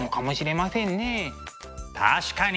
確かに！